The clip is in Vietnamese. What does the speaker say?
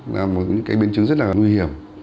là một cái biến chứng rất là nguy hiểm